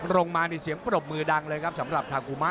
มานี่เสียงปรบมือดังเลยครับสำหรับทากุมา